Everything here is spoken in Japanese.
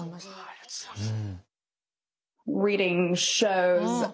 ありがとうございます。